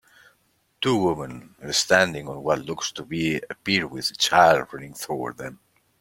Two women are standing on what looks to be a pier with a child running toward them.